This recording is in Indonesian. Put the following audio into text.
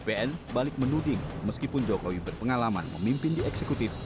bpn balik menuding meskipun jokowi berpengalaman memimpin di eksekutif